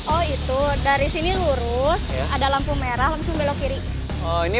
oh itu dari sini lurus ada lampu merah langsung belok kiri